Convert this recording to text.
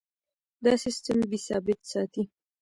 دا سیستم بیې ثابت ساتي.